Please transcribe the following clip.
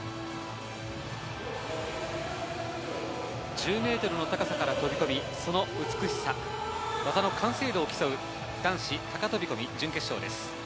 １０ｍの高さから飛び込み、その美しさ、技の完成度を競う男子高飛込、準決勝です。